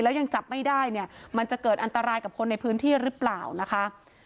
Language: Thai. แล้วยังจับไม่ได้เนี่ยมันจะเกิดอันตรายกับคนในพื้นที่หรือเปล่านะคะ